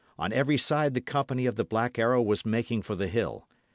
On every side the company of the Black Arrow was making for the hill.